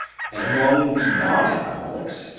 and among the non alcoholics, 23.